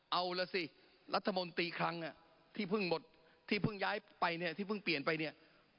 เอาล่ะสิรัฐมนตรีครั้งที่เพิ่งหมดที่เพิ่งย้ายไปเนี่ยที่เพิ่งเปลี่ยนไปเนี่ย